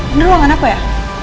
ini ruangan apa ya